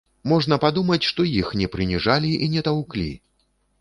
Можна падумаць, што іх не прыніжалі і не таўклі!